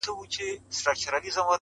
په نارو یو له دنیا له ګاونډیانو!.